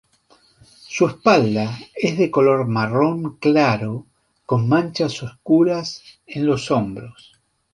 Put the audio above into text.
Su espalda es de color marrón claro con manchas oscuras en los hombros.